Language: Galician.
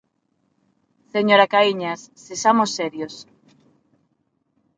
Señora Caíñas, sexamos serios.